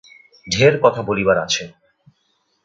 ঢের কথা বলিবার আছে।